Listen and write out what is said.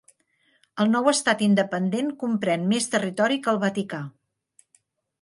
El nou estat independent comprèn més territori que el Vaticà.